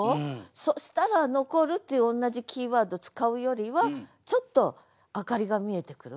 そしたら「残る」っていう同じキーワード使うよりはちょっと明かりが見えてくる。